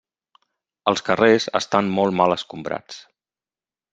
Els carrers estan molt mal escombrats.